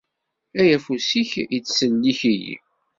Ayeffus-ik ittsellik-iyi.